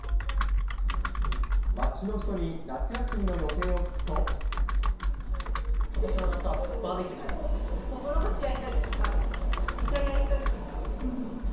街の人に夏休みの予定を聞くことしの夏はバーベキューしとうもろこし焼いたりとか、イカ焼いたりとか。